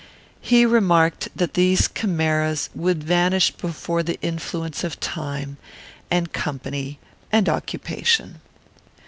He remarked that these chimeras would vanish before the influence of time, and company, and occupation.